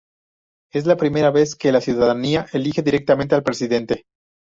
Es la primera vez que la ciudadanía elige directamente al Presidente.